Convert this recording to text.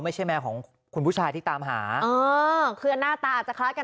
ไม่ใช่แมวของคุณผู้ชายที่ตามหาเออคือหน้าตาจะคลักกัน